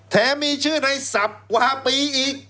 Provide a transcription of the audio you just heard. แถมีชื่อในศัพท์กว่าปีอีก